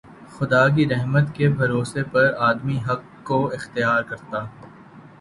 خدا کی رحمت کے بھروسے پر آدمی حق کو اختیار کرتا